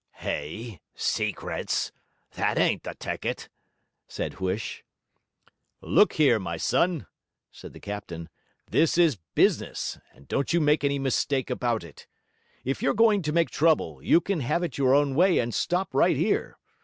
'Hay? Secrets? That ain't the ticket,' said Huish. 'Look here, my son,' said the captain, 'this is business, and don't you make any mistake about it. If you're going to make trouble, you can have it your own way and stop right here.